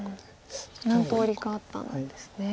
何通りかあったんですね。